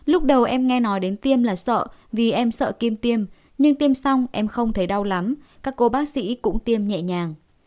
lúc đầu em nghe nói đến tiêm là sợ vì em sợ kim tiêm nhưng tiêm xong em không thấy đau lắm các cô bác sĩ cũng tiêm nhẹ nhàng